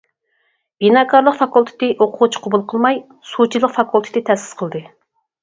بىناكارلىق فاكۇلتېتى ئوقۇغۇچى قوبۇل قىلماي، سۇچىلىق فاكۇلتېتى تەسىس قىلدى.